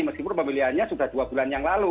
meskipun pemilihannya sudah dua bulan yang lalu